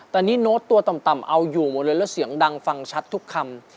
แต่นี่โน้ตตัวต่ำเอาอยู่หมดเลยแล้วเสียงดังฟังชัดทุกคำ